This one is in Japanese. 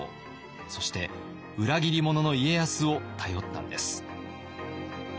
そして裏切り者の家康を頼ったんです。